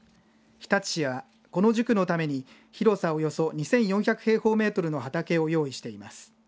日立市はこの塾のために広さおよそ２４００平方メートルの畑を用意しています。